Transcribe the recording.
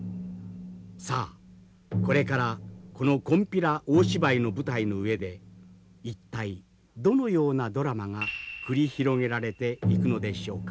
さあこれからこの金毘羅大芝居の舞台の上で一体どのようなドラマが繰り広げられていくのでしょうか。